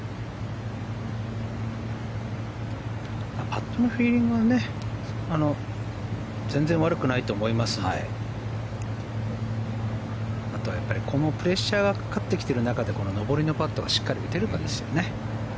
パットのフィーリングは全然悪くないと思いますのであとはこのプレッシャーがかかってきている中でこの上りのパットがしっかり打てるかですよね。